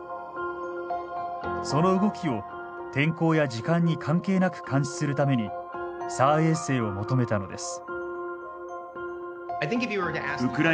その動きを天候や時間に関係なく監視するためにＳＡＲ衛星を求めたのです。